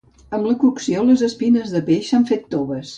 Amb la cocció les espines del peix s'han fet toves.